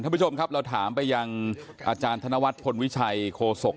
ท่านผู้ชมครับเราถามไปยังอาจารย์ธนวัฒนพลวิชัยโคศก